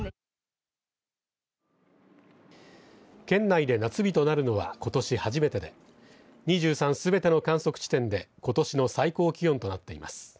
県内で夏日となるのはことし初めてで２３すべての観測地点でことしの最高気温となっています。